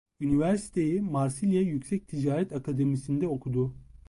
Üniversiteyi Marsilya Yüksek Ticaret Akademisi'nde okudu.